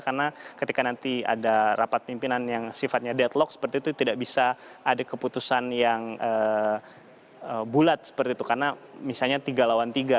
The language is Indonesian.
karena ketika nanti ada rapat pimpinan yang sifatnya deadlock seperti itu tidak bisa ada keputusan yang bulat seperti itu